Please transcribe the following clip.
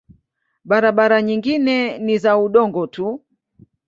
Barabara nyingine ni za udongo tu.